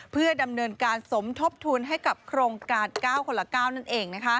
เพื่อดำเนินการสมทบทุนให้กับโครงการ๙คนละ๙นั่นเอง